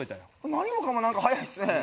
何もかもなんか早いっすね。